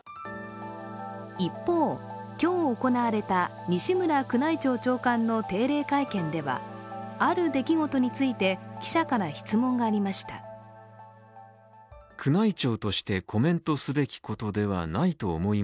一方、今日行われた西村宮内庁長官の定例会見では、ある出来事について記者から質問がありました。